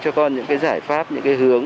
cho con những cái giải pháp những cái hướng